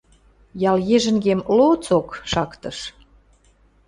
Ялъежӹнгем лоцок! шактыш.